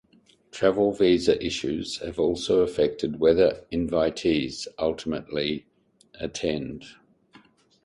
Travel visa issues have also affected whether invitees ultimately attend.